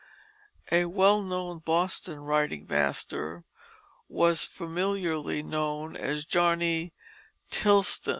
A well known Boston writing master was familiarly known as Johnny Tileston.